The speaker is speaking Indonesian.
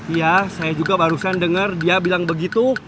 iya saya juga barusan dengar dia bilang begitu